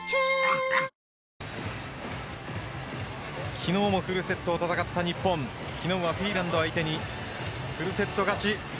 昨日もフルセットを戦った日本昨日はフィンランド相手にフルセット勝ち。